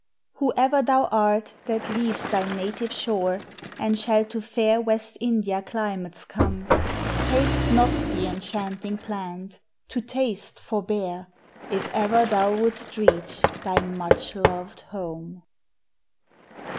Whoe'er thou art that leaves thy native shore, And shall to fair West India climates come; Taste not the enchanting plant, to taste forbear, If ever thou wouldst reach thy much loved home.